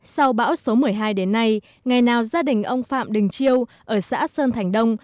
sau bão số một mươi hai đến nay ngày nào gia đình ông phạm đình chiêu ở xã sơn thành đông